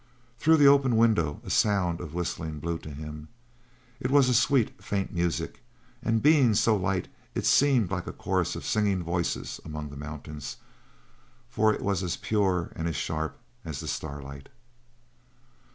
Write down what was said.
Through the open window a sound of whistling blew to him. It was a sweet, faint music, and being so light it seemed like a chorus of singing voices among the mountains, for it was as pure and as sharp as the starlight.